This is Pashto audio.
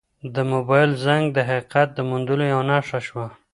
د موبایل زنګ د حقیقت د موندلو یوه نښه شوه.